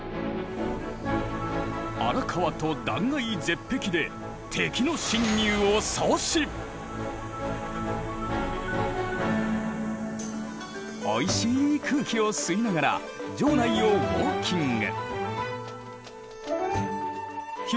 荒川と断崖絶壁でおいしい空気を吸いながら城内をウォーキング。